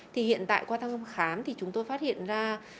thì hiện tại qua thăm khám thì chúng tôi phát hiện ra